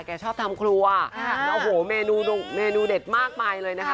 แกชอบทำครัวอ่าค่ะโอ้โหเมนูลุงเมนูเด็ดมากไปเลยนะคะ